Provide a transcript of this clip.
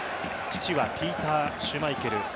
父はペーター・シュマイケル